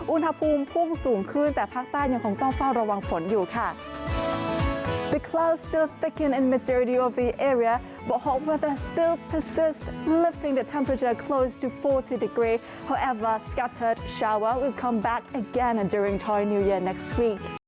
อุณหภูมิพุ่งสูงขึ้นแต่ภาคใต้ยังคงต้องเฝ้าระวังฝนอยู่ค่ะ